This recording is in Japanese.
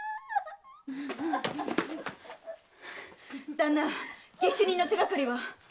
旦那下手人の手がかりは？